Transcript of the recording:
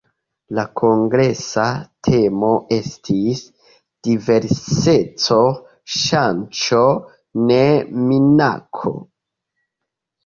La kongresa temo estis "Diverseco: ŝanco, ne minaco".